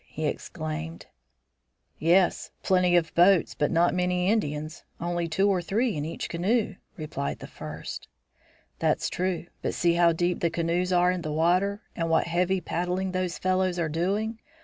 he exclaimed. "Yes; plenty of boats, but not many Indians; only two or three in each canoe," replied the first. "That's true. But see how deep the canoes are in the water, and what heavy paddling those fellows are doing!